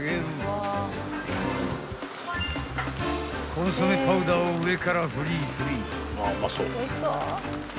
［コンソメパウダーを上から振り振り］